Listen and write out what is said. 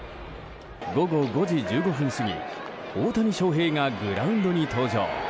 午後５時１５分過ぎ大谷翔平がグラウンドに登場。